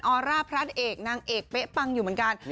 อร่าพระเอกนางเอกเป๊ะปังอยู่เหมือนกัน